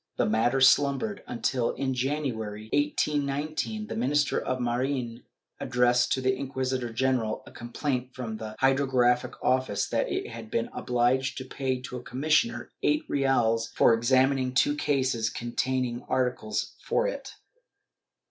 The matter slumbered until, in January, 1819, the Minister of Marine addressed to the inquisitor general a complaint from the Hydrographic Office that it had been obliged to pay to a commissioner eight reales for examining two cases containing articles for it.